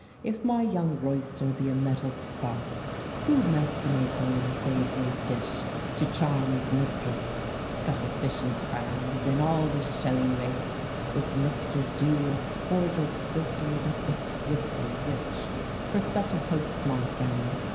If my young royster be a mettled spark, Who melts an acre in a savoury dish To charm his mistress, scuttle fish and crabs, And all the shelly race, with mixture due Of cordials filtered, exquisitely rich. For such a host, my friend!